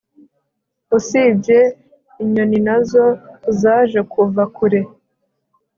usibye inyoninazo zajekuva kure